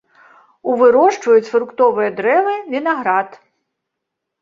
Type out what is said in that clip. У вырошчваюць фруктовыя дрэвы, вінаград.